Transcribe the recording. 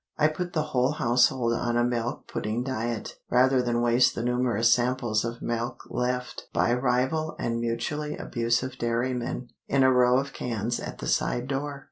I put the whole household on a milk pudding diet, rather than waste the numerous samples of milk left, by rival and mutually abusive dairymen, in a row of cans at the side door.